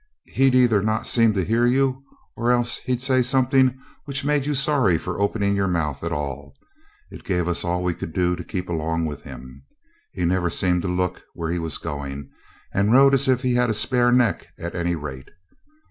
He'd either not seem to hear you, or else he'd say something which made you sorry for opening your mouth at all. It gave us all we could do to keep along with him. He never seemed to look where he was going, and rode as if he had a spare neck at any rate.